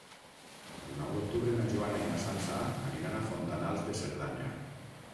El nou d'octubre na Joana i na Sança aniran a Fontanals de Cerdanya.